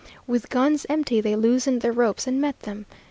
With guns empty they loosened their ropes and met them.